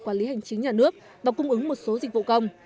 quản lý hành chính nhà nước và cung ứng một số dịch vụ công